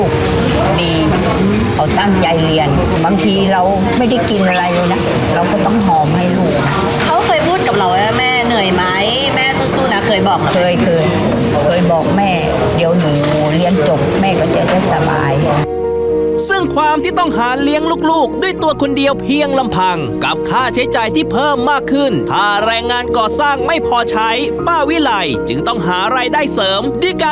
เขาตั้งใจเรียนบางทีเราไม่ได้กินอะไรเลยนะเราก็ต้องหอมให้ลูกเขาเคยพูดกับเราว่าแม่เหนื่อยไหมแม่สู้สู้นะเคยบอกเหรอเคยเคยบอกแม่เดี๋ยวหนูเรียนจบแม่ก็จะได้สบายซึ่งความที่ต้องหาเลี้ยงลูกด้วยตัวคนเดียวเพียงลำพังกับค่าใช้จ่ายที่เพิ่มมากขึ้นถ้าแรงงานก่อสร้างไม่พอใช้ป้าวิไลจึงต้องหารายได้เสริมด้วยก